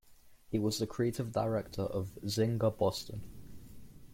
He was the creative director of Zynga Boston.